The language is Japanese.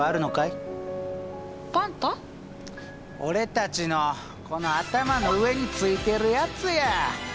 俺たちのこの頭の上についてるやつや！